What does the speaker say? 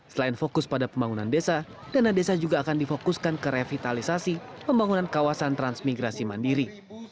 selain fokus pada pembangunan desa dana desa juga akan difokuskan ke revitalisasi pembangunan kawasan transmigrasi mandiri